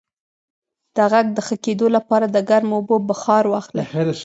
د غږ د ښه کیدو لپاره د ګرمو اوبو بخار واخلئ